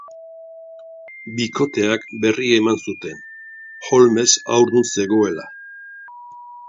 Bikoteak berria eman zuten, Holmes haurdun zegoela.